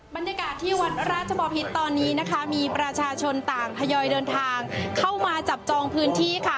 บรรยากาศที่วัดราชบอพิษตอนนี้นะคะมีประชาชนต่างทยอยเดินทางเข้ามาจับจองพื้นที่ค่ะ